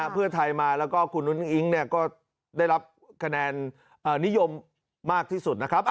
เพื่อไทยมาแล้วก็คุณอุ้งอิ๊งก็ได้รับคะแนนนิยมมากที่สุดนะครับ